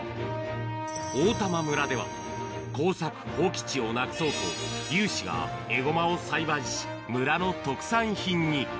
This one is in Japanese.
大玉村では、耕作放棄地をなくそうと、有志がエゴマを栽培し、村の特産品に。